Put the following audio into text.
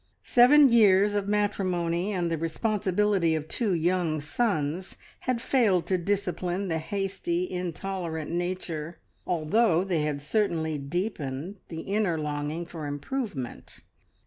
Seven years of matrimony, and the responsibility of two young sons, had failed to discipline the hasty, intolerant nature, although they had certainly deepened the inner longing for improvement.